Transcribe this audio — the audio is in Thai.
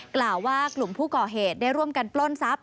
กล่าวว่ากลุ่มผู้ก่อเหตุได้ร่วมกันปล้นทรัพย